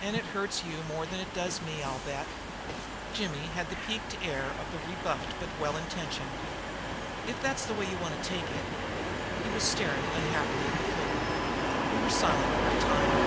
"And it hurts you more than it does me, I'll bet!" Jimmy had the piqued air of the rebuffed but well intentioned. "If that's the way you want to take it " he was staring unhappily at the floor. We were silent for a time.